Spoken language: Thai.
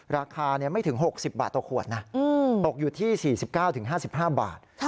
ราคาไม่ถึง๖๐บาทต่อขวดนะตกอยู่ที่๔๙๕๕บาท